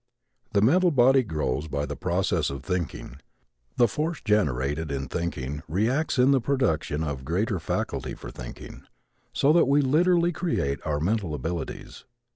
The mental body grows by the process of thinking. The force generated in thinking reacts in the production of greater faculty for thinking, so that we literally create our mental abilities.